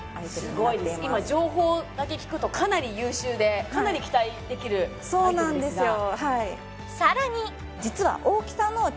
すごいです今情報だけ聞くとかなり優秀でかなり期待できるアイテムですがそうなんですよ